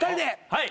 ・はい。